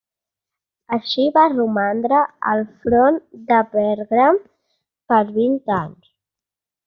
Així va romandre al front de Pèrgam per vint anys.